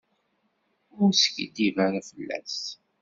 Ur skiddib ara fell-as.